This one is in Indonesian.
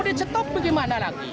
udah cetup bagaimana lagi